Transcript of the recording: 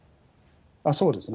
そうですね。